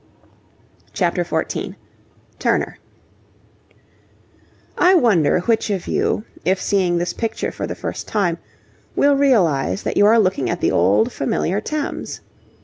CHAPTER XIV TURNER I wonder which of you, if seeing this picture for the first time, will realize that you are looking at the old familiar Thames?